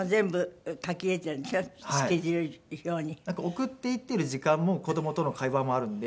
送っていっている時間も子供との会話もあるんで。